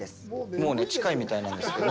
もうね、近いみたいなんですけど。